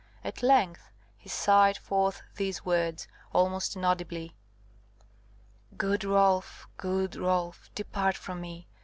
At length he sighed forth these words, almost inaudibly: "Good Rolf, good Rolf, depart from me!